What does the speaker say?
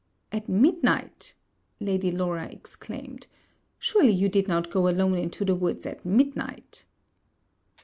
'At midnight!' Lady Laura exclaimed, 'surely you did not go alone into the woods at midnight?'